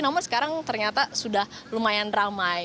namun sekarang ternyata sudah lumayan ramai